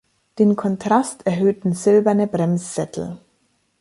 Den Kontrast erhöhten silberne Bremssättel.